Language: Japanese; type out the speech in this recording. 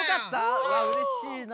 いやうれしいな。